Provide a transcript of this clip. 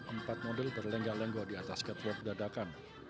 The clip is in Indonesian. empat model berlengga lengga di atas gatework dadakan